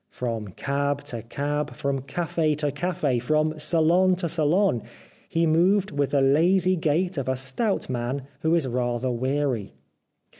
From cab to cab, from cafe to cafe, from salon to salon, he moved with the lazy gait of a stout man who is rather weary.